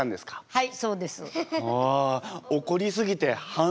はい！